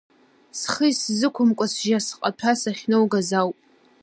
Схы исзықәымкуа, сжьа-сҟаҭәа сахьноугаз ауп.